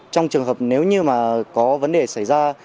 trong trường hợp nếu như mà có vấn đề xảy ra